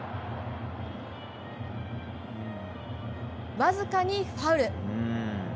わずかにファウル。